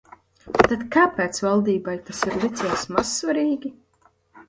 Tad kāpēc valdībai tas ir licies mazsvarīgi?